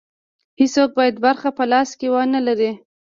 هېڅوک باید برخه په لاس کې ونه لري.